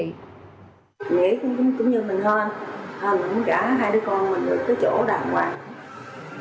nghĩ cũng như mình hơn hơn là cũng gã hai đứa con mình được cái chỗ đàng hoàng